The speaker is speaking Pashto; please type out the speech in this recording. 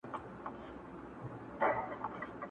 دې دوستی ته خو هیڅ لاره نه جوړیږي.!